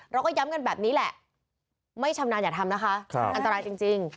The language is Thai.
เราก็ย้ำกันแบบนี้แหละไม่ชำนาญอย่าทำนะคะอันตรายจริง